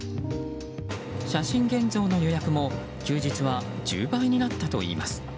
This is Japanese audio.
写真現像の予約も休日は１０倍になったといいます。